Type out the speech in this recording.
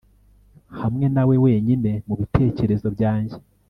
hamwe nawe wenyine mubitekerezo byanjye